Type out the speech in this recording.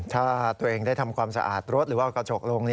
ถ้าตัวเองได้ทำความสะอาดรถหรือว่ากระจกลง